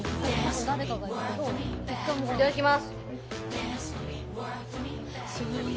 いただきます。